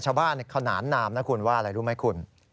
ขนานนามนะคุณว่าอะไรรู้ไหมคุณ